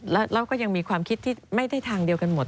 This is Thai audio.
แล้วก็ยังมีความคิดที่ไม่ได้ทางเดียวกันหมด